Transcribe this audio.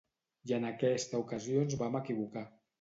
I en aquesta ocasió ens vam equivocar.